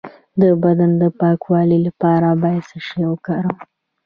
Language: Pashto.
د بدن د پاکوالي لپاره باید څه شی وکاروم؟